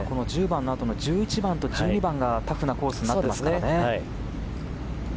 １０番のあとの１１番、１２番がタフなコースになっていますからね。